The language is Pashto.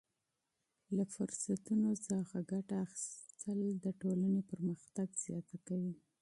د منابعو ښه کارول د ټولنې پرمختګ زیاتوي.